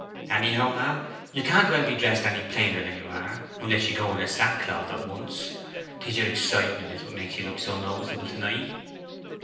"Anyhow, ma'am, you can't well be dressed plainer than you are, unless you go in sackcloth at once. 'Tis your excitement is what makes you look so noticeable to night."